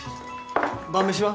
晩飯は？